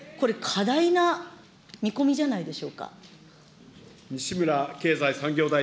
これ、過大な見込みじゃないでしょうか。